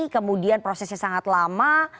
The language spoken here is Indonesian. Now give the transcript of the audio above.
kemudian prosesnya sangat lama